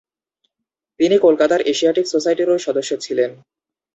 তিনি কলকাতার এশিয়াটিক সোসাইটিরও সদস্য ছিলেন।